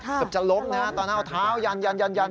เกือบจะล้มนะฮะตอนนั้นเอาเท้ายันยัน